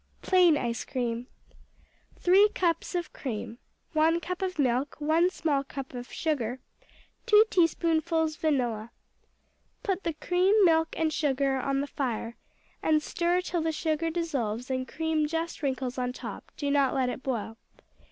Plain Ice cream 3 cups of cream. 1 cup of milk. 1 small cup of sugar. 2 teaspoonfuls vanilla. Put the cream, milk, and sugar on the fire, and stir till the sugar dissolves and cream just wrinkles on top; do not let it boil.